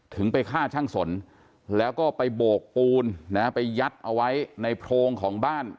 ไปฆ่าช่างสนแล้วก็ไปโบกปูนนะไปยัดเอาไว้ในโพรงของบ้าน